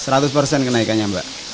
seratus persen kenaikannya mbak